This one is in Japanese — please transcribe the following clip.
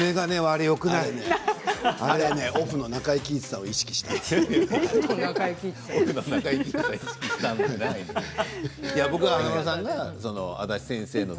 あれはオフの中井貴一さんを意識したの。